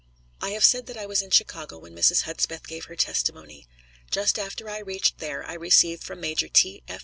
I have said that I was in Chicago when Mrs. Hudspeth gave her testimony. Just after I reached there I received from Major T. F.